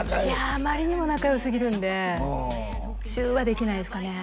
あまりにも仲良すぎるんでチューはできないですかね